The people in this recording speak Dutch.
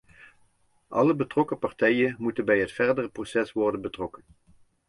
Alle betrokken partijen moeten bij het verdere proces worden betrokken.